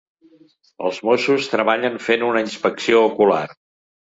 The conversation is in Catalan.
Els mossos treballen fent una inspecció ocular.